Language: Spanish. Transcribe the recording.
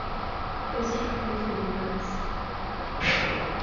Es afluente del Pas.